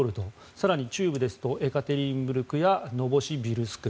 更に中部ですとエカテリンブルクですとかノボシビルスク。